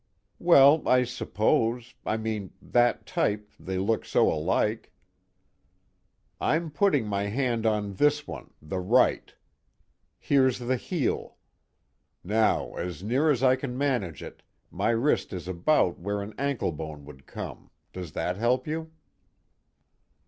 "Well, I suppose I mean, that type, they look so alike." "I'm putting my hand in this one, the right. Here's the heel. Now as near as I can manage it, my wrist is about where an anklebone would come does that help you?"